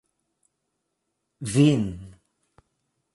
vin